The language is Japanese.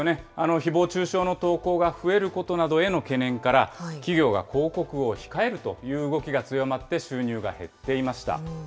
ひぼう中傷の投稿が増えることなどへの懸念から、企業が広告を控えるという動きが強まって、収入が減っていました。